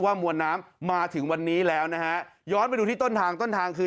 มวลน้ำมาถึงวันนี้แล้วนะฮะย้อนไปดูที่ต้นทางต้นทางคือ